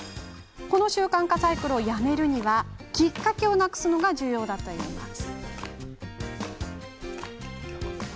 この習慣化サイクルをやめるにはきっかけをなくすのが重要だといいます。